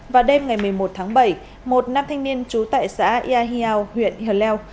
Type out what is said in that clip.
vào đêm ngày một mươi một tháng bảy một nam thanh niên trú tại xã yà hờ leo